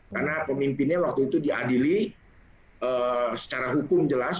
karena pemimpinnya waktu itu diadili secara hukum jelas